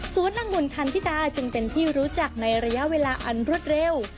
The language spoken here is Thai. ศูนย์อังุ่นทัณฑิตาจึงเป็นที่รู้จักในระยะเวลาอันรุดเร็ว